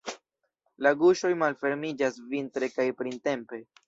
La guŝoj malfermiĝas vintre kaj printempe.